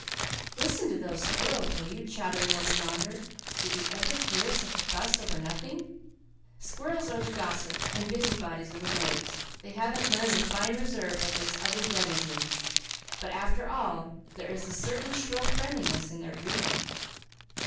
Listen to those squirrels, will you, chattering over yonder. Did you ever hear such a fuss over nothing? Squirrels are the gossips and busybodies of the woods; they haven't learned the fine reserve of its other denizens. But after all, there is a certain shrill friendliness in their greeting."